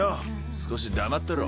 少し黙ってろ。